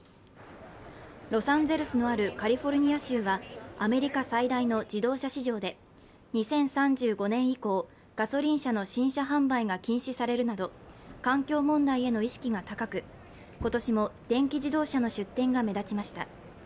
ロサンゼルスのあるカリフォルニア州はアメリカ最大の自動車市場で２０３４年以降ガソリン車の新車販売が禁止されるなど、環境問題への意識が高く、今年も電気自動車の出展が目立ちました。